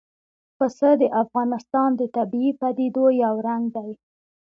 پسه د افغانستان د طبیعي پدیدو یو رنګ دی.